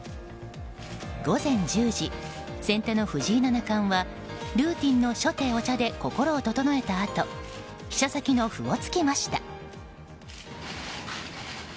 午前１０時、先手の藤井七冠はルーティンの初手お茶で心を整えたあと飛車先の歩をつきました。